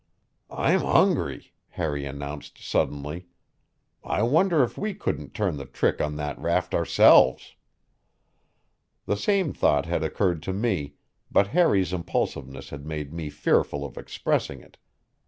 "I'm hungry," Harry announced suddenly. "I wonder if we couldn't turn the trick on that raft ourselves?" The same thought had occurred to me, but Harry's impulsiveness had made me fearful of expressing it.